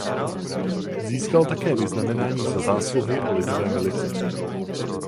Získal také vyznamenání Za zásluhy o Lidové milice.